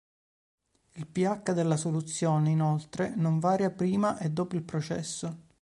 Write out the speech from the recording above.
Il pH della soluzione inoltre non varia prima e dopo il processo.